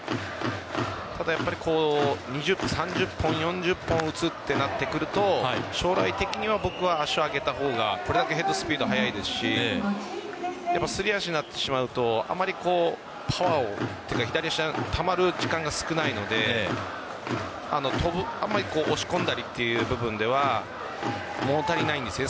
ただ、３０本４０本打つとなってくると将来的には、僕は足を上げた方がこれだけヘッドスピード速いですしすり足になってしまうとあまりパワーというか左足のたまる時間が少ないのであまり押し込んだりという部分では物足りないですよね